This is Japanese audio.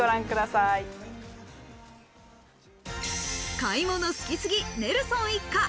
買い物好きすぎネルソン一家。